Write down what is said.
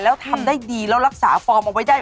แล้วทำได้ดีแล้วรักษาฟอร์มเอาไว้ได้